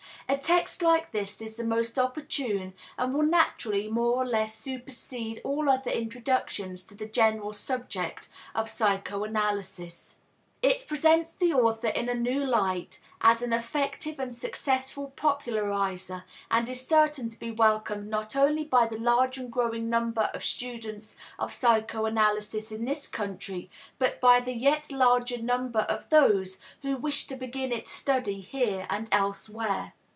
A text like this is the most opportune and will naturally more or less supersede all other introductions to the general subject of psychoanalysis. It presents the author in a new light, as an effective and successful popularizer, and is certain to be welcomed not only by the large and growing number of students of psychoanalysis in this country but by the yet larger number of those who wish to begin its study here and elsewhere.